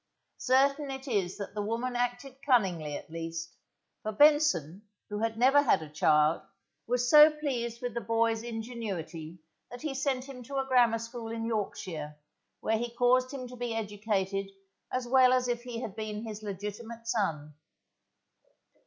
Certain it is that the woman acted cunningly, at least, for Benson, who had never had a child, was so pleased with the boy's ingenuity that he sent him to a grammar school in Yorkshire, where he caused him to be educated as well as if he had been his legitimate son.